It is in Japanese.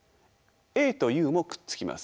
ＡとＵもくっつきます。